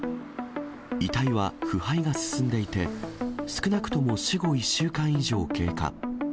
遺体は腐敗が進んでいて、少なくとも死後１週間以上経過。